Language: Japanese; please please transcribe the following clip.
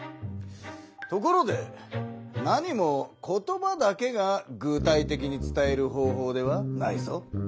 ところでなにも言葉だけが具体的に伝える方ほうではないぞ。